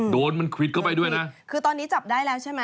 โดนมันควิดเข้าไปด้วยนะคือตอนนี้จับได้แล้วใช่ไหม